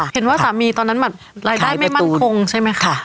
เห็นว่าสามีตอนนั้นแบบรายได้ไม่มั่นคงใช่ไหมคะ